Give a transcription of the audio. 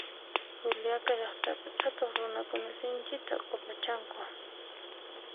Juliaca llaqtapi qhatuq runakuna sinchita q'upachanku